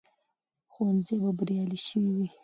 ښوونځي به بریالي شوي وي.